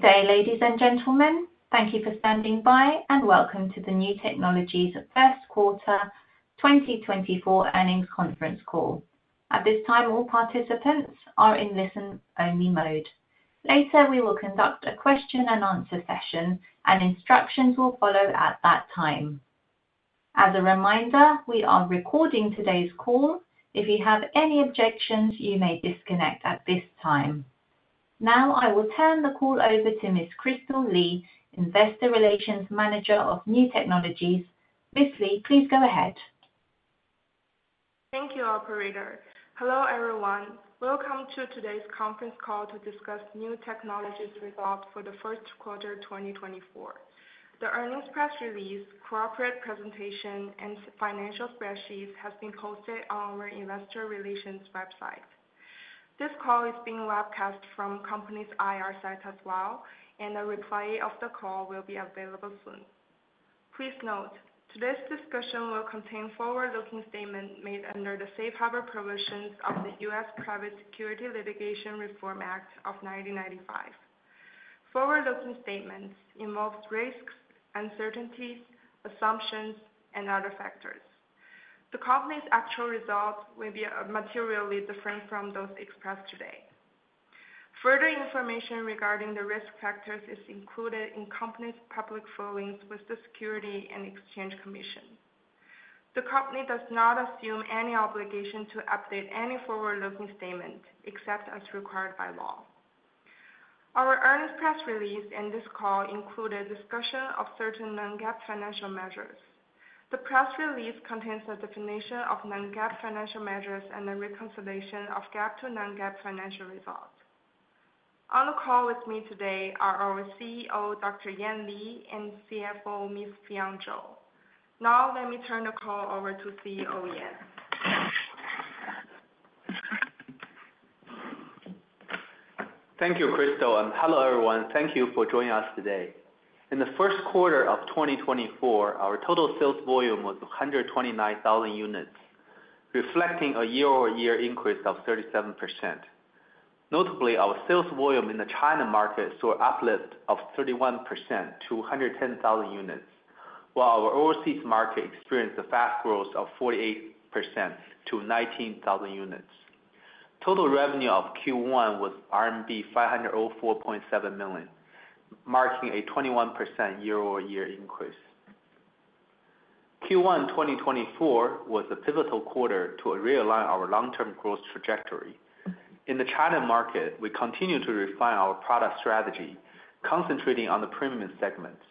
Good day, ladies and gentlemen. Thank you for standing by, and welcome to the Niu Technologies First Quarter 2024 Earnings Conference Call. At this time, all participants are in listen-only mode. Later, we will conduct a question-and-answer session, and instructions will follow at that time. As a reminder, we are recording today's call. If you have any objections, you may disconnect at this time. Now, I will turn the call over to Ms. Kristal Li, Investor Relations Manager of Niu Technologies. Ms. Li, please go ahead. Thank you, operator. Hello, everyone. Welcome to today's conference call to discuss Niu Technologies' results for the first quarter, 2024. The earnings press release, corporate presentation, and financial spreadsheet has been posted on our investor relations website. This call is being webcast from company's IR site as well, and a replay of the call will be available soon. Please note, today's discussion will contain forward-looking statements made under the safe harbor provisions of the U.S. Private Securities Litigation Reform Act of 1995. Forward-looking statements involve risks, uncertainties, assumptions, and other factors. The company's actual results may be materially different from those expressed today. Further information regarding the risk factors is included in company's public filings with the Securities and Exchange Commission. The company does not assume any obligation to update any forward-looking statement, except as required by law. Our earnings press release and this call include a discussion of certain non-GAAP financial measures. The press release contains a definition of non-GAAP financial measures and a reconciliation of GAAP to non-GAAP financial results. On the call with me today are our CEO, Dr. Yan Li, and CFO, Ms. Fion Zhou. Now, let me turn the call over to CEO Yan. Thank you, Crystal, and hello, everyone. Thank you for joining us today. In the first quarter of 2024, our total sales volume was 129,000 units, reflecting a year-over-year increase of 37%. Notably, our sales volume in the China market saw uplift of 31% to 110,000 units, while our overseas market experienced a fast growth of 48% to 19,000 units. Total revenue of Q1 was RMB 504.7 million, marking a 21% year-over-year increase. Q1, 2024, was a pivotal quarter to realign our long-term growth trajectory. In the China market, we continued to refine our product strategy, concentrating on the premium segments.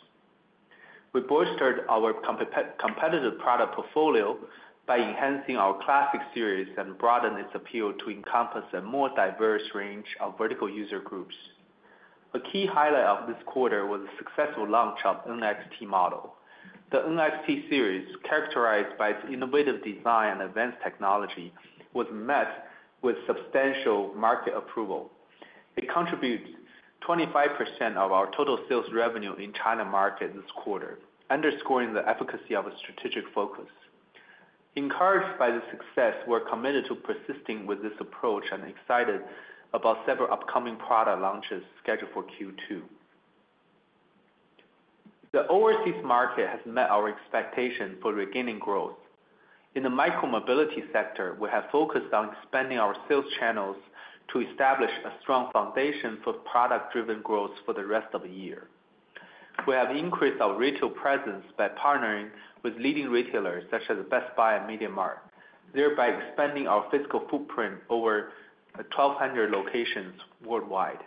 We bolstered our competitive product portfolio by enhancing our Classic series and broaden its appeal to encompass a more diverse range of vertical user groups. A key highlight of this quarter was the successful launch of NXT model. The NXT series, characterized by its innovative design and advanced technology, was met with substantial market approval. It contributes 25% of our total sales revenue in China market this quarter, underscoring the efficacy of a strategic focus. Encouraged by the success, we're committed to persisting with this approach and excited about several upcoming product launches scheduled for Q2. The overseas market has met our expectation for regaining growth. In the micro-mobility sector, we have focused on expanding our sales channels to establish a strong foundation for product-driven growth for the rest of the year. We have increased our retail presence by partnering with leading retailers such as Best Buy and MediaMarkt, thereby expanding our physical footprint over 1,200 locations worldwide.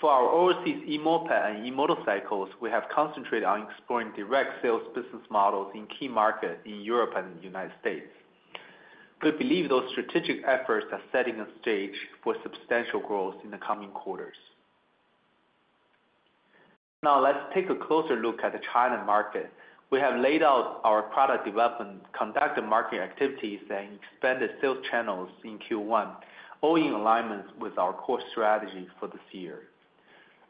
For our overseas e-moped and e-motorcycles, we have concentrated on exploring direct sales business models in key markets in Europe and the United States. We believe those strategic efforts are setting the stage for substantial growth in the coming quarters. Now, let's take a closer look at the China market. We have laid out our product development, conducted marketing activities, and expanded sales channels in Q1, all in alignment with our core strategy for this year.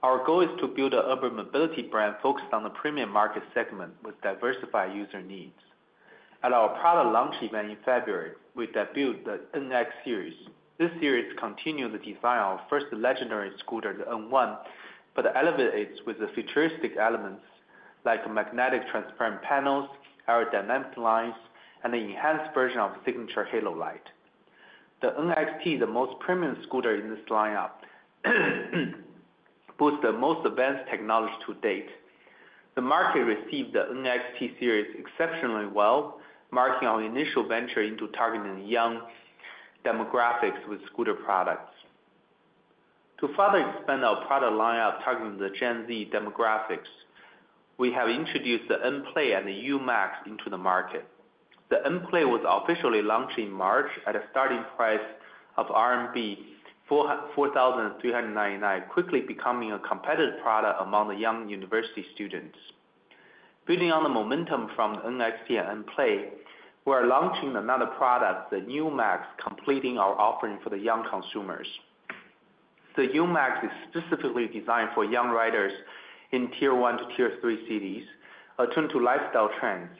Our goal is to build an urban mobility brand focused on the premium market segment with diversified user needs. At our product launch event in February, we debuted the NX series. This series continued the design of first legendary scooter, the N1, but elevates with the futuristic elements like magnetic transparent panels, aerodynamic lines, and the enhanced version of signature halo light. The NXT, the most premium scooter in this lineup, boasts the most advanced technology to date. The market received the NXT series exceptionally well, marking our initial venture into targeting young demographics with scooter products. To further expand our product lineup, targeting the Gen Z demographics, we have introduced the NPlay and the UMAX into the market. The NPlay was officially launched in March at a starting price of RMB 4,399, quickly becoming a competitive product among the young university students. Building on the momentum from NXT and NPlay, we are launching another product, the UMAX, completing our offering for the young consumers. The UMAX is specifically designed for young riders in Tier 1-Tier 3 cities. Attuned to lifestyle trends,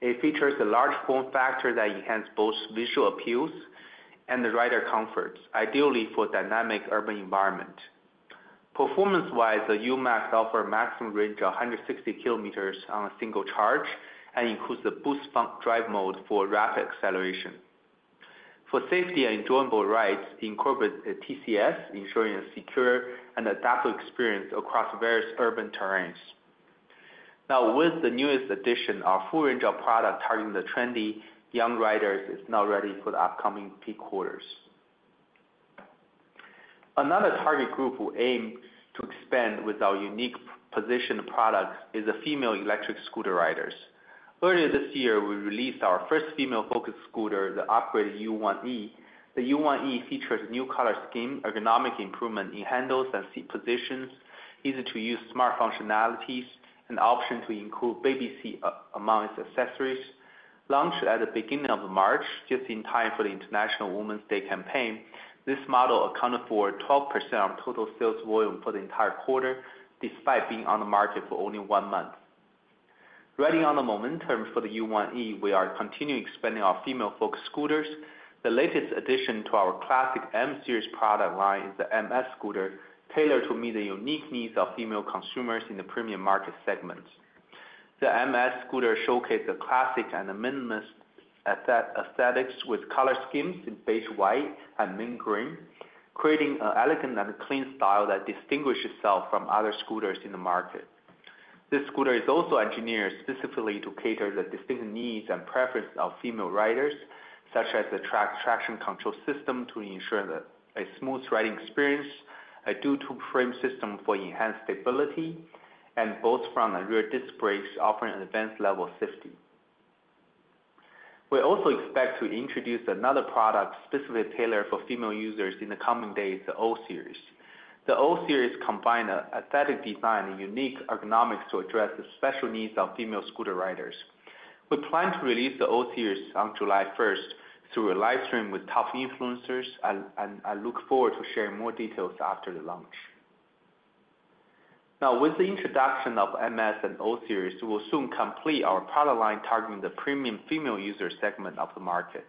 it features a large form factor that enhance both visual appeals and the rider comfort, ideally for dynamic urban environment. Performance-wise, the UMAX offers a maximum range of 160 km on a single charge, and includes a boost pump drive mode for rapid acceleration. For safety and enjoyable rides, it incorporates a TCS, ensuring a secure and adaptable experience across various urban terrains. Now, with the newest addition, our full range of products targeting the trendy, young riders, is now ready for the upcoming peak quarters. Another target group who aim to expand with our unique positioned products, is the female electric scooter riders. Earlier this year, we released our first female-focused scooter, the upgraded U1E. The U1E features new color scheme, ergonomic improvement in handles and seat positions, easy-to-use smart functionalities, and option to include baby seat, among its accessories. Launched at the beginning of March, just in time for the International Women's Day campaign, this model accounted for 12% of total sales volume for the entire quarter, despite being on the market for only one month. Riding on the momentum for the U1E, we are continuing expanding our female-focused scooters. The latest addition to our classic M Series product line is the MS scooter, tailored to meet the unique needs of female consumers in the premium market segments. The MS scooter showcase the classic and the minimalist aesthetics, with color schemes in beige, white, and mint green, creating an elegant and clean style that distinguishes itself from other scooters in the market. This scooter is also engineered specifically to cater the distinct needs and preferences of female riders, such as the traction control system to ensure a smooth riding experience, a dual-tube frame system for enhanced stability, and both front and rear disc brakes, offering an advanced level of safety. We also expect to introduce another product, specifically tailored for female users in the coming days, the O Series. The O Series combine aesthetic design and unique ergonomics to address the special needs of female scooter riders. We plan to release the O Series on July 1st, through a live stream with top influencers, and I look forward to sharing more details after the launch. Now, with the introduction of MS and O Series, we will soon complete our product line, targeting the premium female user segment of the market.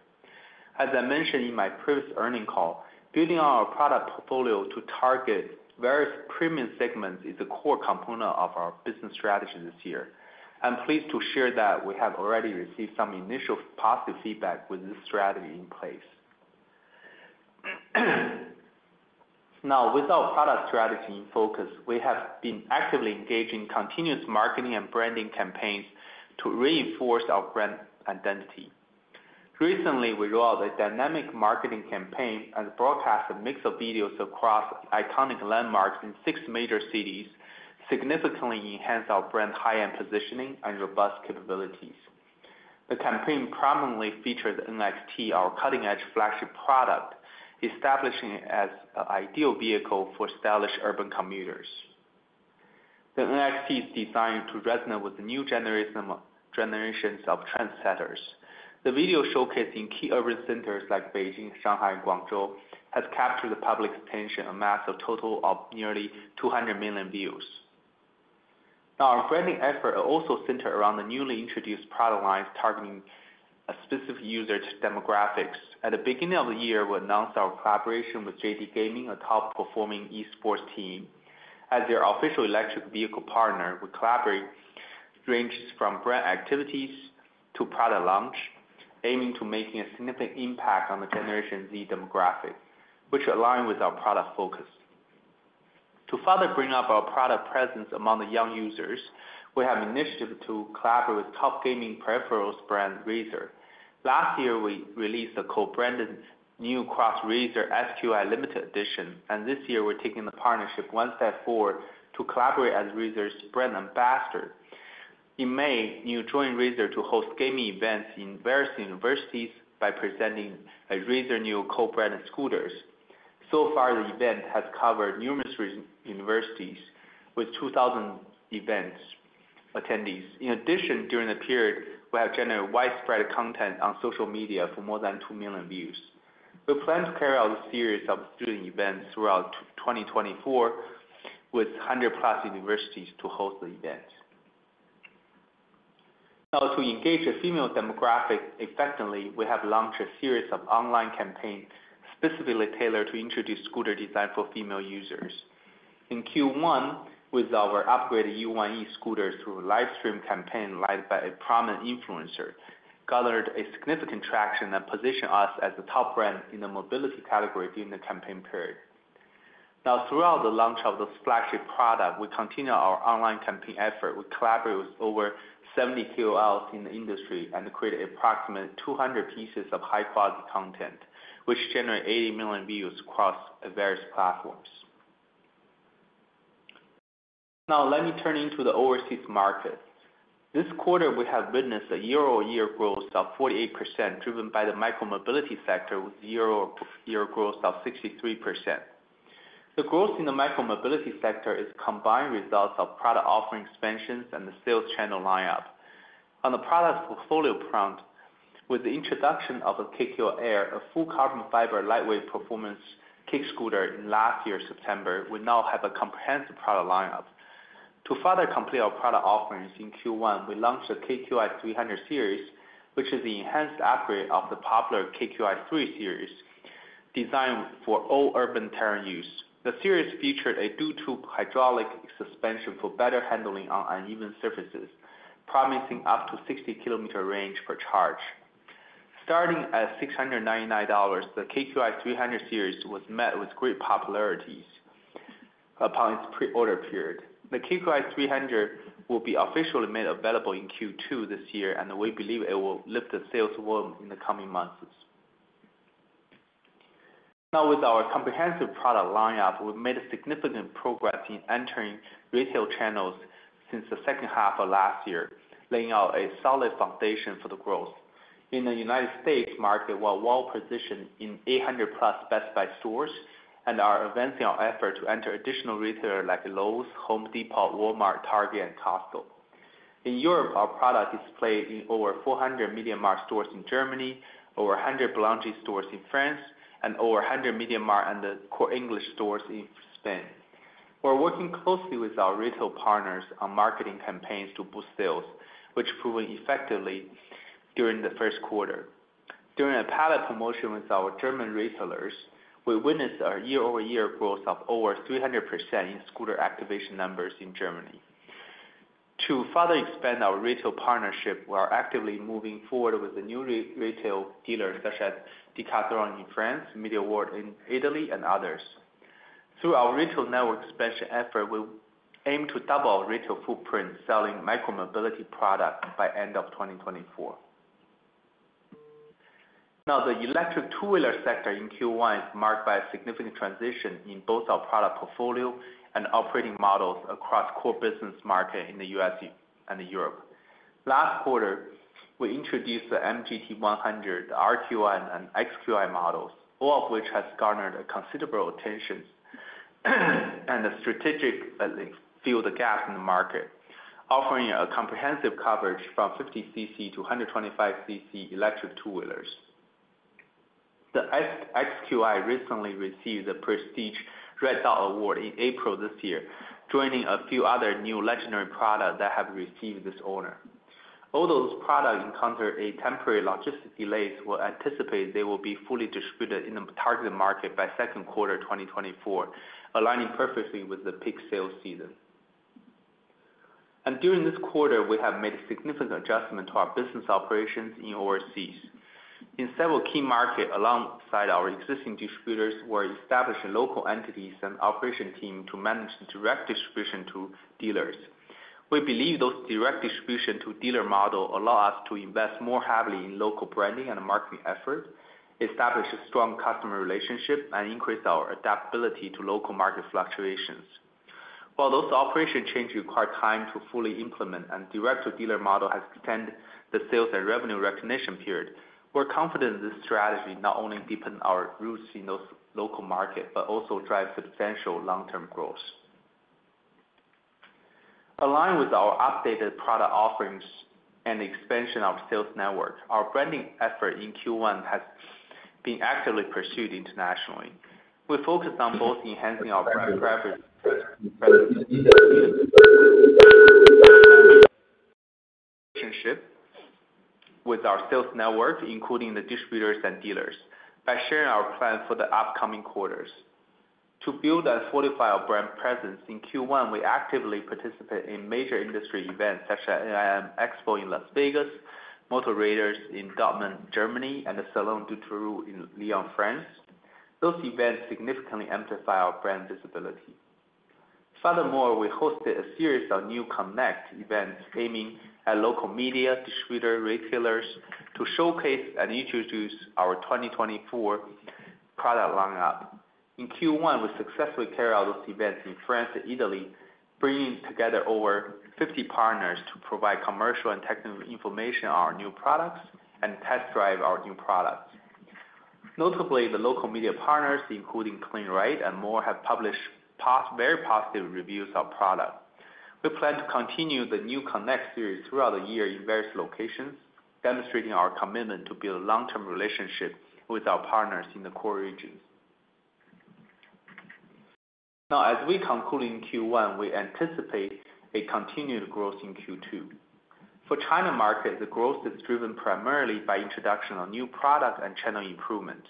As I mentioned in my previous earnings call, building our product portfolio to target various premium segments, is a core component of our business strategy this year. I'm pleased to share that we have already received some initial positive feedback with this strategy in place. Now, with our product strategy in focus, we have been actively engaged in continuous marketing and branding campaigns to reinforce our brand identity. Recently, we launched a dynamic marketing campaign and broadcast a mix of videos across iconic landmarks in six major cities, significantly enhance our brand high-end positioning and robust capabilities. The campaign prominently features NXT, our cutting-edge flagship product, establishing it as an ideal vehicle for stylish urban commuters. The NXT is designed to resonate with the new generation of trendsetters. The video showcasing key urban centers like Beijing, Shanghai, and Guangzhou has captured the public's attention, amassed a total of nearly 200 million views. Now, our branding effort are also centered around the newly introduced product lines, targeting specific user demographics. At the beginning of the year, we announced our collaboration with JD Gaming, a top-performing e-sports team. As their official electric vehicle partner, we collaborate ranges from brand activities to product launch, aiming to making a significant impact on the Generation Z demographic, which align with our product focus. To further bring up our product presence among the young users, we have initiative to collaborate with top gaming peripherals brand, Razer. Last year, we released a co-branded Niu x Razer SQi Limited Edition, and this year we're taking the partnership one step forward to collaborate as Razer's brand ambassador. In May, Niu joined Razer to host gaming events in various universities by presenting Razer Niu co-branded scooters. So far, the event has covered numerous universities, with 2,000 event attendees. In addition, during the period, we have generated widespread content on social media for more than 2 million views. We plan to carry out a series of student events throughout 2024, with 100+ universities to host the event. Now, to engage the female demographic effectively, we have launched a series of online campaigns, specifically tailored to introduce scooter design for female users. In Q1, with our upgraded U1E scooters, through a live stream campaign led by a prominent influencer, garnered a significant traction and position us as the top brand in the mobility category during the campaign period. Now, throughout the launch of this flagship product, we continue our online campaign effort. We collaborate with over 70 KOLs in the industry, and create approximately 200 pieces of high-quality content, which generate 80 million views across various platforms. Now, let me turn into the overseas markets. This quarter, we have witnessed a year-over-year growth of 48%, driven by the micro-mobility sector, with year-over-year growth of 63%. The growth in the micro-mobility sector is combined results of product offering expansions and the sales channel lineup. On the product portfolio front, with the introduction of the KQi Air, a full carbon fiber, lightweight performance kick scooter in last year, September, we now have a comprehensive product lineup. To further complete our product offerings, in Q1, we launched the KQi 300 series, which is the enhanced upgrade of the popular KQi3 series, designed for all urban terrain use. The series featured a dual tube hydraulic suspension for better handling on uneven surfaces, promising up to 60 km range per charge. Starting at $699, the KQi 300 series was met with great popularity upon its pre-order period. The KQi 300 will be officially made available in Q2 this year, and we believe it will lift the sales volume in the coming months. Now, with our comprehensive product lineup, we've made a significant progress in entering retail channels since the second half of last year, laying out a solid foundation for the growth. In the United States market, we're well positioned in 800+ Best Buy stores, and are advancing our effort to enter additional retailers like Lowe's, Home Depot, Walmart, Target, and Costco. In Europe, our product is displayed in over 400 MediaMarkt stores in Germany, over 100 Boulanger stores in France, and over 100 MediaMarkt and the El Corte Inglés stores in Spain. We're working closely with our retail partners on marketing campaigns to boost sales, which proven effectively during the first quarter. During a pilot promotion with our German resellers, we witnessed a year-over-year growth of over 300% in scooter activation numbers in Germany. To further expand our retail partnership, we are actively moving forward with the new retail dealers such as Decathlon in France, MediaWorld in Italy, and others. Through our retail network expansion effort, we aim to double our retail footprint, selling micro-mobility products by end of 2024. Now, the electric two-wheeler sector in Q1 is marked by a significant transition in both our product portfolio and operating models across core business markets in the U.S., EU, and Europe. Last quarter, we introduced the MQi GT, RQi, and XQi models, all of which has garnered a considerable attention, and a strategic fill the gap in the market, offering a comprehensive coverage from 50 cc to 125 cc electric two-wheelers. The XQi recently received the prestigious Red Dot Award in April this year, joining a few other new legendary products that have received this honor. All those products encountered a temporary logistics delay; we anticipate they will be fully distributed in the targeted markets by second quarter 2024, aligning perfectly with the peak sales season. During this quarter, we have made significant adjustments to our business operations overseas. In several key markets, alongside our existing distributors, we're establishing local entities and operations team to manage the direct distribution to dealers. We believe those direct distribution to dealer model allow us to invest more heavily in local branding and marketing efforts, establish a strong customer relationship, and increase our adaptability to local market fluctuations. While those operations changes require time to fully implement, and direct to dealer model has extended the sales and revenue recognition period, we're confident this strategy not only deepen our roots in those local markets, but also drive substantial long-term growth. Aligned with our updated product offerings and expansion of sales network, our branding efforts in Q1 has been actively pursued internationally. We focused on both enhancing our brand presence relationship with our sales network, including the distributors and dealers, by sharing our plan for the upcoming quarters. To build and solidify our brand presence, in Q1, we actively participate in major industry events such as AIM Expo in Las Vegas, Motorräder in Dortmund, Germany, and the Salon du 2 Roues in Lyon, France. Those events significantly amplify our brand visibility. Furthermore, we hosted a series of new connect events aiming at local media, distributor, retailers, to showcase and introduce our 2024 product lineup. In Q1, we successfully carry out those events in France and Italy, bringing together over 50 partners to provide commercial and technical information on our new products and test drive our new products. Notably, the local media partners, including Cleanrider and more, have published very positive reviews of our product. We plan to continue the new Connect series throughout the year in various locations, demonstrating our commitment to build long-term relationships with our partners in the core regions. Now, as we conclude in Q1, we anticipate a continued growth in Q2. For China market, the growth is driven primarily by introduction of new products and channel improvements.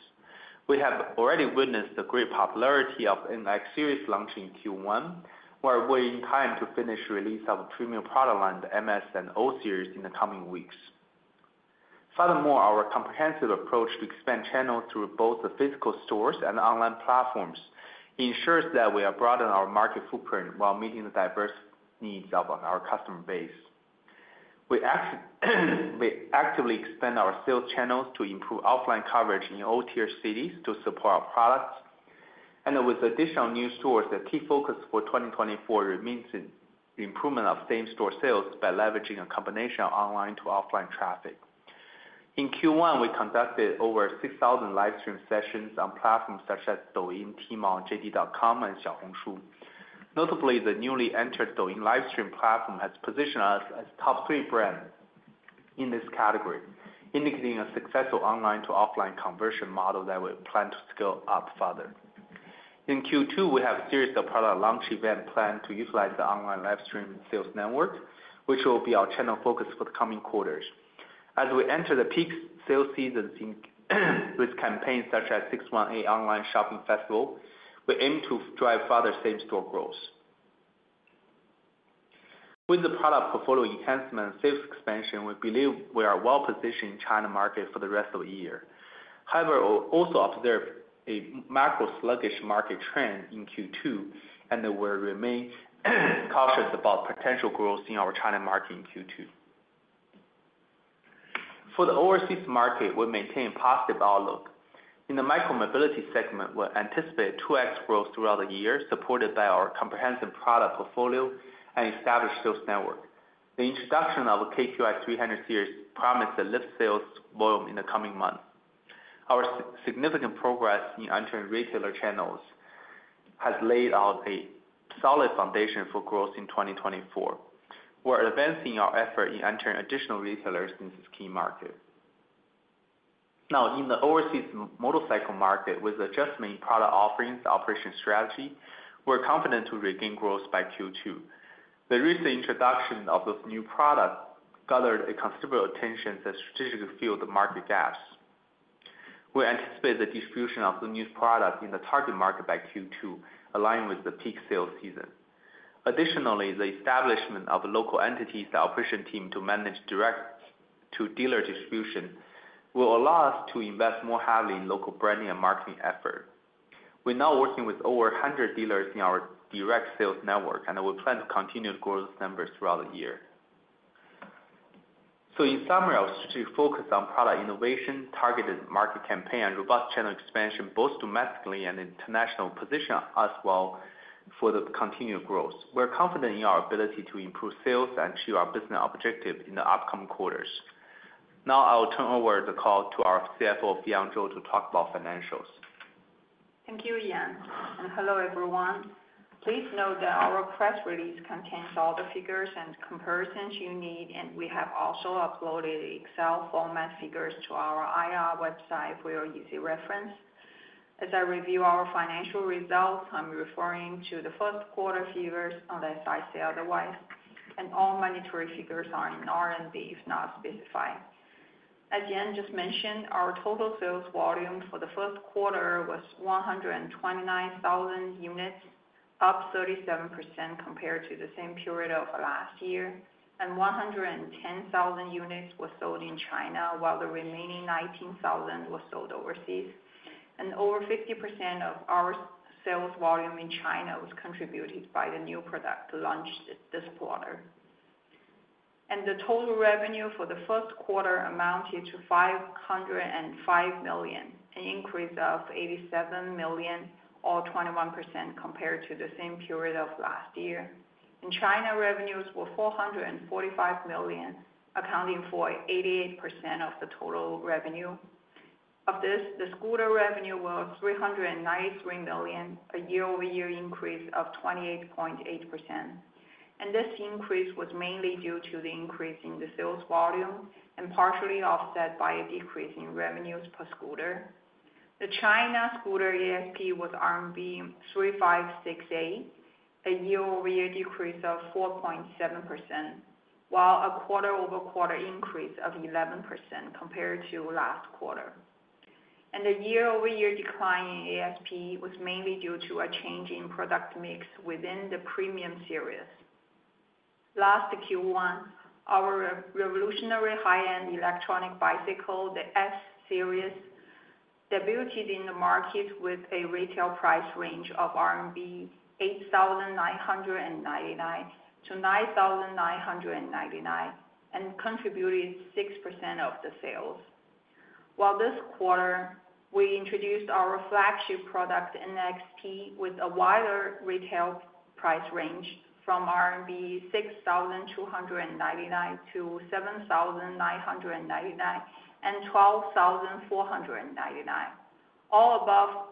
We have already witnessed the great popularity of NX series launch in Q1, while waiting time to finish release of premium product line, the MS and O series, in the coming weeks. Furthermore, our comprehensive approach to expand channels through both the physical stores and online platforms, ensures that we are broaden our market footprint while meeting the diverse needs of our customer base. We actively expand our sales channels to improve offline coverage in all-tier cities to support our products. With additional new stores, the key focus for 2024 remains in the improvement of same store sales by leveraging a combination of online to offline traffic. In Q1, we conducted over 6,000 live stream sessions on platforms such as Douyin, Tmall, JD.com, and Xiaohongshu. Notably, the newly entered Douyin live stream platform has positioned us as top three brand in this category, indicating a successful online to offline conversion model that we plan to scale up further. In Q2, we have a series of product launch event planned to utilize the online live stream sales network, which will be our channel focus for the coming quarters. As we enter the peak sales seasons in, with campaigns such as 618 Online Shopping Festival, we aim to drive further same-store growth. With the product portfolio enhancement sales expansion, we believe we are well-positioned in China market for the rest of the year. However, we also observed a macro sluggish market trend in Q2, and we will remain cautious about potential growth in our China market in Q2. For the overseas market, we maintain a positive outlook. In the micro-mobility segment, we anticipate 2x growth throughout the year, supported by our comprehensive product portfolio and established sales network. The introduction of KQi 300 series promise to lift sales volume in the coming months. Our significant progress in entering retailer channels has laid out a solid foundation for growth in 2024. We're advancing our effort in entering additional retailers in this key market. Now, in the overseas motorcycle market, with the adjustment in product offerings, operation strategy, we're confident to regain growth by Q2. The recent introduction of this new product garnered a considerable attention that strategically filled the market gaps. We anticipate the distribution of the new product in the target market by Q2, aligned with the peak sales season. Additionally, the establishment of local entities, the operation team, to manage direct-to-dealer distribution, will allow us to invest more heavily in local branding and marketing effort. We're now working with over 100 dealers in our direct sales network, and we plan to continue to grow those numbers throughout the year. So in summary, our strategy focus on product innovation, targeted market campaign, and robust channel expansion, both domestically and international, position us well for the continued growth. We're confident in our ability to improve sales and achieve our business objective in the upcoming quarters. Now, I will turn over the call to our CFO, Fion Zhou, to talk about financials. Thank you, Yan, and hello, everyone. Please note that our press release contains all the figures and comparisons you need, and we have also uploaded the Excel format figures to our IR website for your easy reference. As I review our financial results, I'm referring to the first quarter figures, unless I say otherwise, and all monetary figures are in RMB, if not specified. As Yan just mentioned, our total sales volume for the first quarter was 129,000 units, up 37% compared to the same period of last year. One hundred and ten thousand units were sold in China, while the remaining 19,000 were sold overseas. Over 50% of our sales volume in China was contributed by the new product launched this quarter. The total revenue for the first quarter amounted to 505 million, an increase of 87 million, or 21% compared to the same period of last year. In China, revenues were 445 million, accounting for 88% of the total revenue. Of this, the scooter revenue was 393 million, a year-over-year increase of 28.8%. And this increase was mainly due to the increase in the sales volume and partially offset by a decrease in revenues per scooter. The China scooter ASP was RMB 3,568, a year-over-year decrease of 4.7%, while a quarter-over-quarter increase of 11% compared to last quarter. And the year-over-year decline in ASP was mainly due to a change in product mix within the premium series. Last Q1, our revolutionary high-end electronic bicycle, the S Series, debuted in the market with a retail price range of RMB 8,999-9,999, and contributed 6% of the sales. While this quarter, we introduced our flagship product, NXT, with a wider retail price range from RMB 6,299-7,999 and 12,499. All above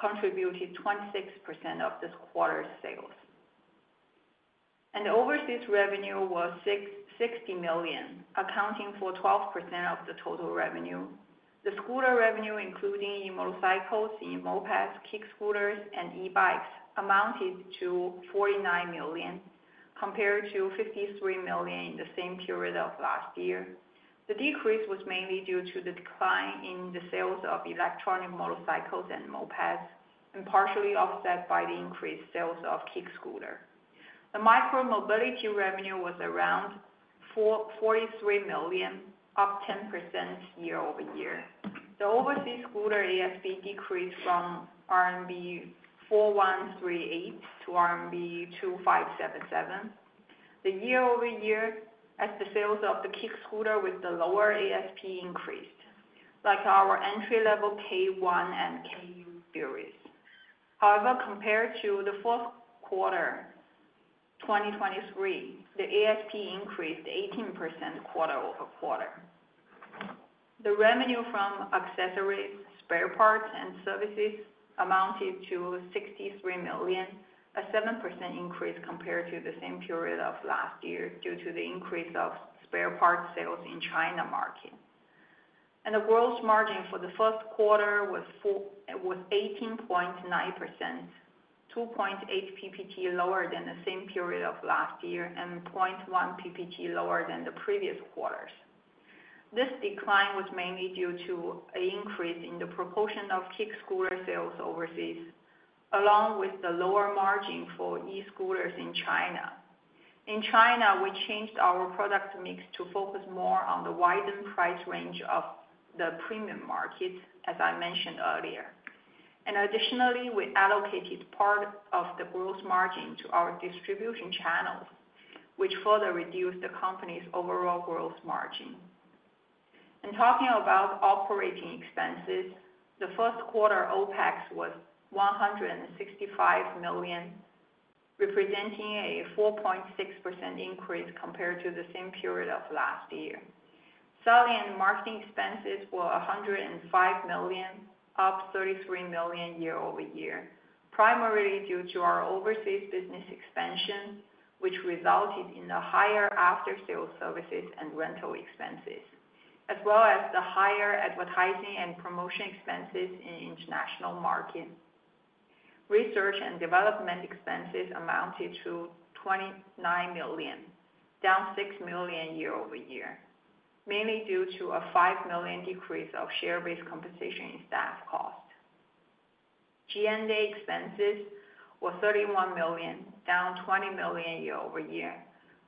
contributed 26% of this quarter's sales. Overseas revenue was 60 million, accounting for 12% of the total revenue. The scooter revenue, including e-motorcycles, e-mopeds, kick scooters and e-bikes, amounted to 49 million, compared to 53 million in the same period of last year. The decrease was mainly due to the decline in the sales of electronic motorcycles and mopeds, and partially offset by the increased sales of kick scooter. The micromobility revenue was around 43 million, up 10% year-over-year. The overseas scooter ASP decreased from RMB 4,138 to RMB 2,577. The year-over-year, as the sales of the kick scooter with the lower ASP increased, like our entry-level K1 and KQi2 series. However, compared to the fourth quarter 2023, the ASP increased 18% quarter-over-quarter. The revenue from accessories, spare parts, and services amounted to 63 million, a 7% increase compared to the same period of last year, due to the increase of spare parts sales in China market. The gross margin for the first quarter was 18.9%, 2.8 percentage points lower than the same period of last year, and 0.1 percentage points lower than the previous quarters. This decline was mainly due to an increase in the proportion of kick scooter sales overseas, along with the lower margin for e-scooters in China. In China, we changed our product mix to focus more on the widened price range of the premium market, as I mentioned earlier, and additionally, we allocated part of the growth margin to our distribution channels, which further reduced the company's overall growth margin. In talking about operating expenses, the first quarter OpEx was 165 million, representing a 4.6% increase compared to the same period of last year. Selling and marketing expenses were 105 million, up 33 million year-over-year, primarily due to our overseas business expansion, which resulted in a higher after-sales services and rental expenses, as well as the higher advertising and promotion expenses in international markets. Research and development expenses amounted to 29 million, down 6 million year-over-year, mainly due to a 5 million decrease of share-based compensation in staff costs. G&A expenses were 31 million, down 20 million year-over-year,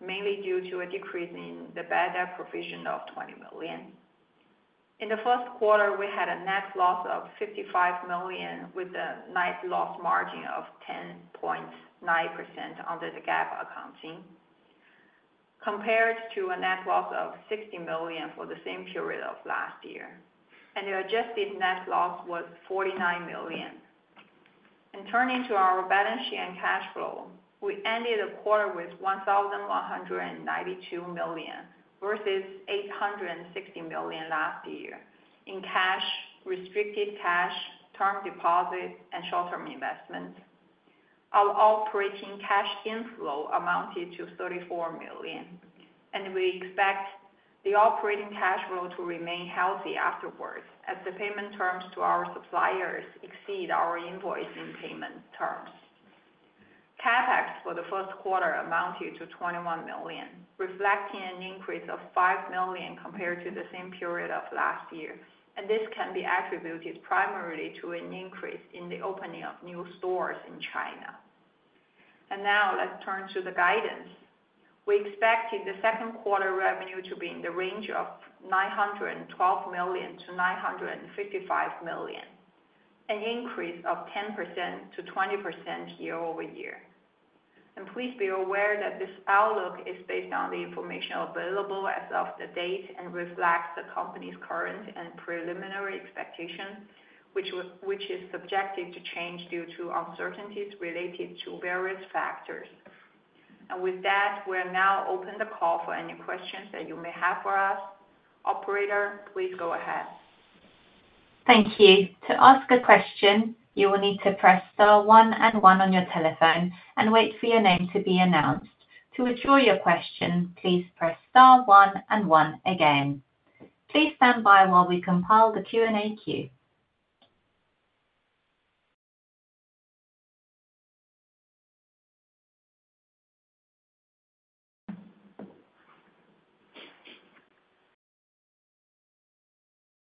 mainly due to a decrease in the bad debt provision of 20 million. In the first quarter, we had a net loss of 55 million, with a net loss margin of 10.9% under the GAAP accounting, compared to a net loss of 60 million for the same period of last year, and the adjusted net loss was 49 million. In turning to our balance sheet and cash flow, we ended the quarter with 1,192 million, versus 860 million last year, in cash, restricted cash, term deposits, and short-term investments. Our operating cash inflow amounted to 34 million, and we expect the operating cash flow to remain healthy afterwards, as the payment terms to our suppliers exceed our invoicing payment terms. CapEx for the first quarter amounted to 21 million, reflecting an increase of 5 million compared to the same period of last year, and this can be attributed primarily to an increase in the opening of new stores in China. And now, let's turn to the guidance. We expected the second quarter revenue to be in the range of 912 million-955 million, an increase of 10%-20% year-over-year. And please be aware that this outlook is based on the information available as of the date, and reflects the company's current and preliminary expectations, which is subjected to change due to uncertainties related to various factors. And with that, we'll now open the call for any questions that you may have for us. Operator, please go ahead. Thank you. To ask a question, you will need to press star one and one on your telephone and wait for your name to be announced. To withdraw your question, please press star one and one again. Please stand by while we compile the Q&A queue.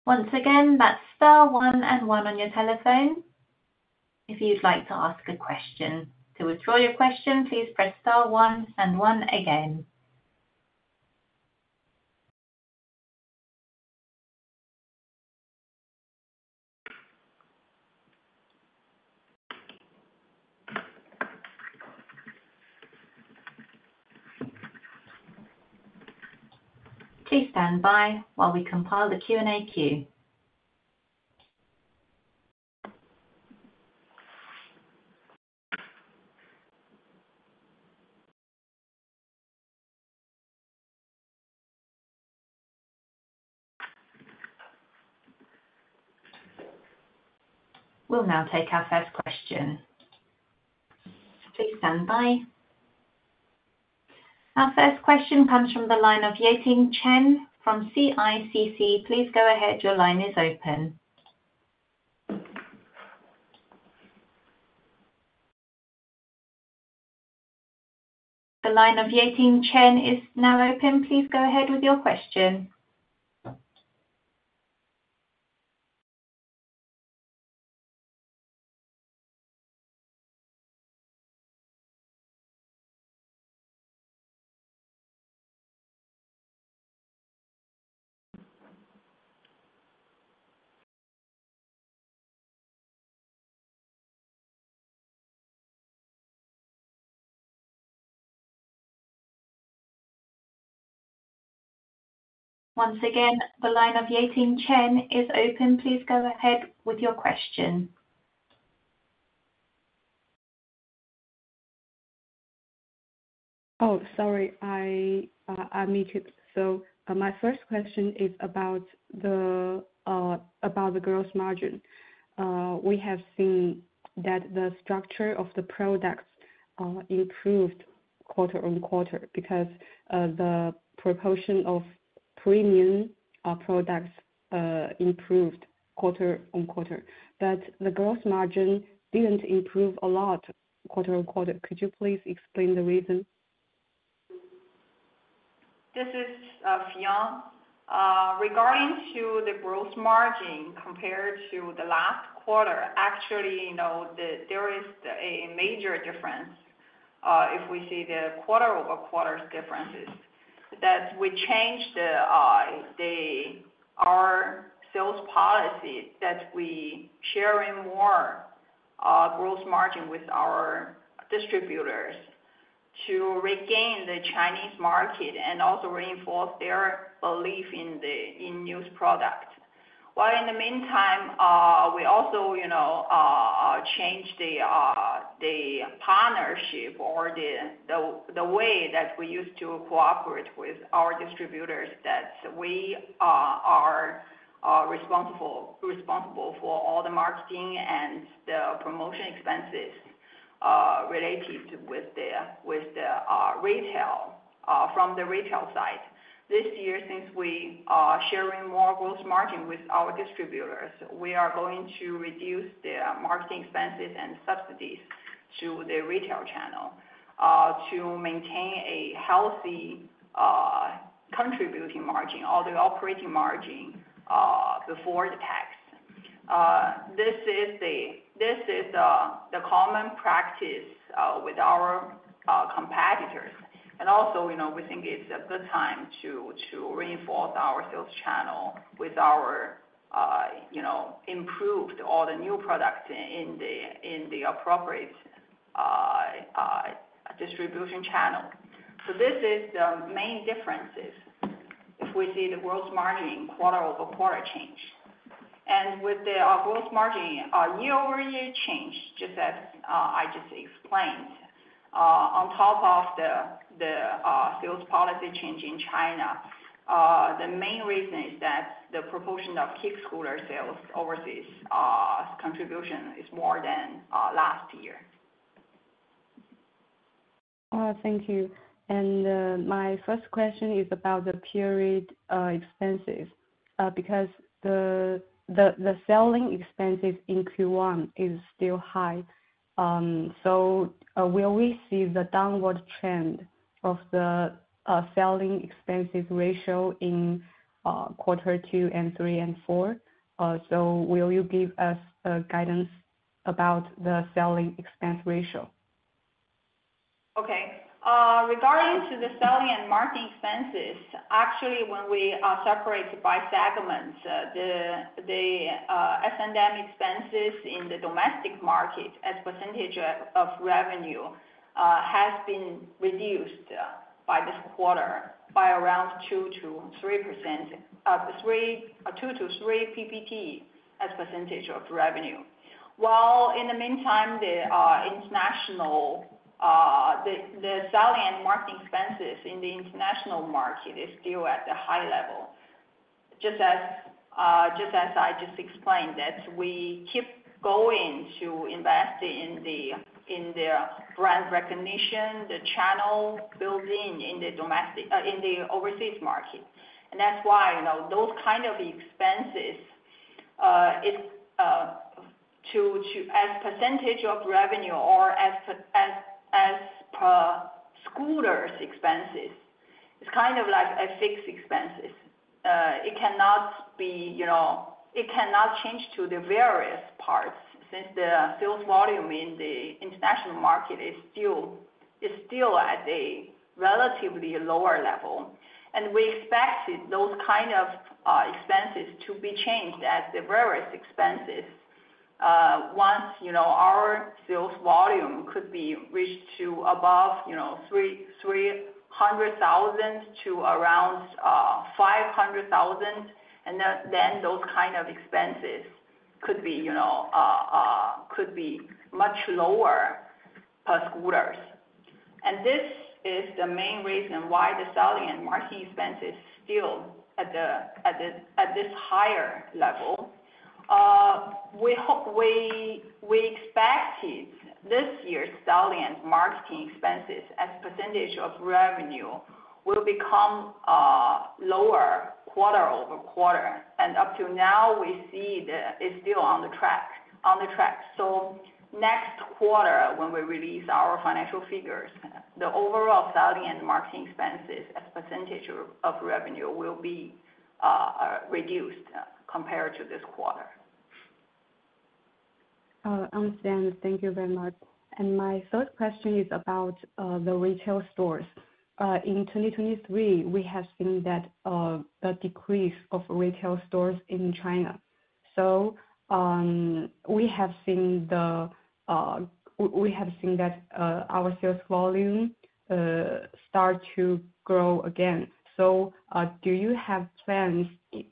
Once again, that's star one and one on your telephone, if you'd like to ask a question. To withdraw your question, please press star one and one again. Please stand by while we compile the Q&A queue. We'll now take our first question. Please stand by. Our first question comes from the line of Yating Chen from CICC. Please go ahead, your line is open. The line of Yating Chen is now open. Please go ahead with your question.... Once again, the line of Yating Chen is open. Please go ahead with your question. Oh, sorry, I, I muted. So, my first question is about the gross margin. We have seen that the structure of the products improved quarter-on-quarter because the proportion of premium products improved quarter-on-quarter. But the gross margin didn't improve a lot quarter-on-quarter. Could you please explain the reason? This is Fion. Regarding to the gross margin compared to the last quarter, actually, you know, there is a major difference if we see the quarter-over-quarter differences, that we changed our sales policy, that we sharing more gross margin with our distributors to regain the Chinese market and also reinforce their belief in the new product. While in the meantime, we also, you know, change the partnership or the way that we used to cooperate with our distributors, that we are responsible for all the marketing and the promotion expenses related with the retail from the retail side. This year, since we are sharing more gross margin with our distributors, we are going to reduce the marketing expenses and subsidies to the retail channel, to maintain a healthy, contributing margin or the operating margin, before the tax. This is the common practice with our competitors. And also, you know, we think it's a good time to reinforce our sales channel with our, you know, improved all the new products in the appropriate distribution channel. So this is the main differences if we see the gross margin quarter-over-quarter change. With the gross margin year-over-year change, just as I just explained, on top of the sales policy change in China, the main reason is that the proportion of KQi scooter sales overseas contribution is more than last year. Thank you. My first question is about the OpEx. Because the selling expenses in Q1 is still high, so, will we see the downward trend of the selling expenses ratio in quarter two and three and four? So will you give us a guidance about the selling expense ratio? Okay. Regarding to the selling and marketing expenses, actually, when we separate by segments, the S&M expenses in the domestic market as percentage of revenue has been reduced by this quarter by around 2%-3%, two to three PPT as percentage of revenue. While in the meantime, the international selling and marketing expenses in the international market is still at a high level. Just as I just explained, that we keep going to invest in the brand recognition, the channel building in the overseas market. And that's why, you know, those kind of expenses, it's to as percentage of revenue or as per scooters expenses, it's kind of like a fixed expenses. It cannot be, you know, it cannot change to the various parts since the sales volume in the international market is still at a relatively lower level. And we expected those kind of expenses to be changed as the various expenses once, you know, our sales volume could be reached to above, you know, 300,000 to around 500,000, and then those kind of expenses could be, you know, could be much lower per scooters. And this is the main reason why the selling and marketing expense is still at this higher level. We hope we expected this year's selling and marketing expenses as percentage of revenue will become lower quarter-over-quarter. And up to now, we see it's still on the track. So next quarter, when we release our financial figures, the overall selling and marketing expenses as percentage of revenue will be reduced compared to this quarter. Understand. Thank you very much. And my third question is about the retail stores. In 2023, we have seen a decrease of retail stores in China. So, we have seen that our sales volume start to grow again. So, do you have plans in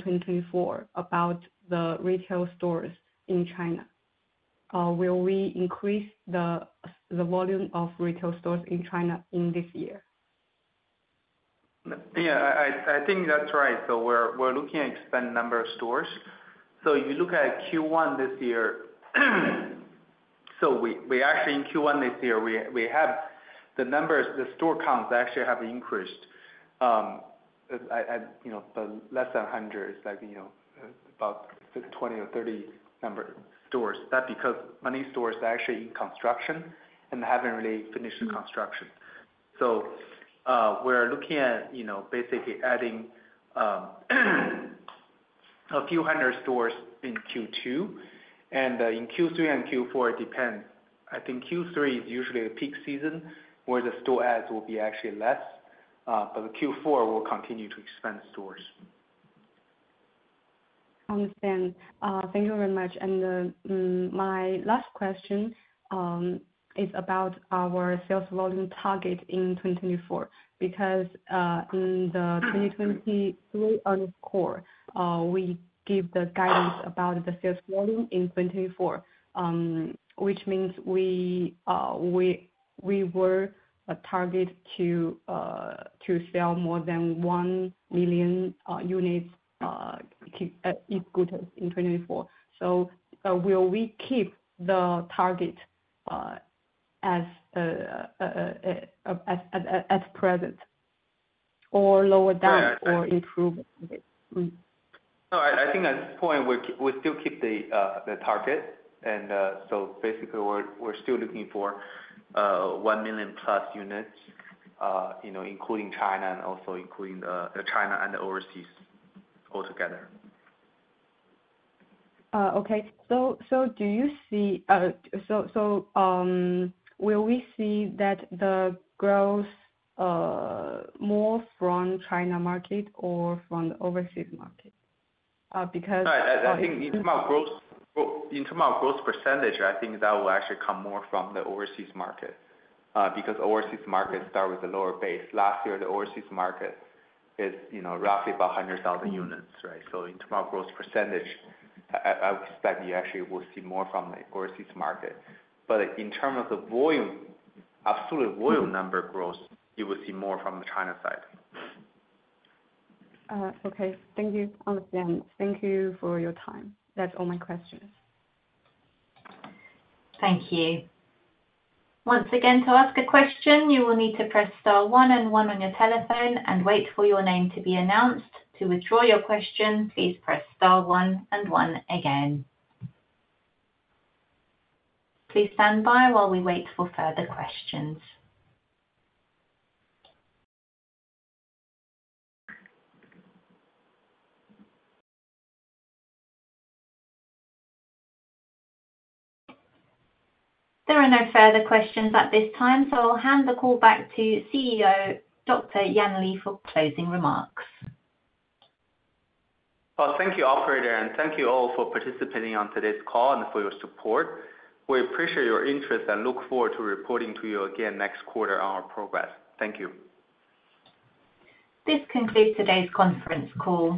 2024 about the retail stores in China? Will we increase the volume of retail stores in China this year? Yeah, I think that's right. So we're looking to expand number of stores. So if you look at Q1 this year, so we actually in Q1 this year, we have the numbers, the store counts actually have increased. At you know, less than 100, like, you know, about 20 or 30 number stores. That's because many stores are actually in construction and haven't really finished the construction. So, we're looking at, you know, basically adding a few hundred stores in Q2, and in Q3 and Q4, it depends. I think Q3 is usually a peak season, where the store adds will be actually less, but the Q4 will continue to expand the stores. Understood. Thank you very much. My last question is about our sales volume target in 2024. Because in the 2023 annual call, we gave the guidance about the sales volume in 2024, which means we had a target to sell more than 1 million units in 2024. So, will we keep the target as presented, or lower down or improve it? No, I think at this point, we still keep the target. And so basically we're still looking for 1 million-plus units, you know, including China and also including China and the overseas altogether. Okay. So, will we see that the growth more from China market or from the overseas market? Because- I think in terms of our growth, in terms of our growth percentage, I think that will actually come more from the overseas market, because overseas markets start with a lower base. Last year, the overseas market is, you know, roughly about 100,000 units, right? So in terms of our growth percentage, I expect we actually will see more from the overseas market. But in terms of the volume, absolute volume number growth, you will see more from the China side. Okay. Thank you. Understand. Thank you for your time. That's all my questions. Thank you. Once again, to ask a question, you will need to press star one and one on your telephone and wait for your name to be announced. To withdraw your question, please press star one and one again. Please stand by while we wait for further questions. There are no further questions at this time, so I'll hand the call back to CEO, Dr. Yan Li, for closing remarks. Well, thank you, operator, and thank you all for participating on today's call and for your support. We appreciate your interest and look forward to reporting to you again next quarter on our progress. Thank you. This concludes today's conference call.